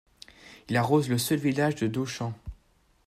Il arrose le seul village de Dochamps.